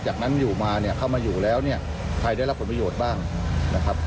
จากนั้นอยู่มาเนี่ยเข้ามาอยู่แล้วเนี่ยใครได้รับผลประโยชน์บ้างนะครับ